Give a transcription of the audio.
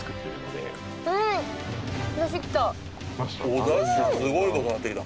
おだしすごい事になってきた。